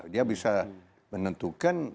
dia bisa menentukan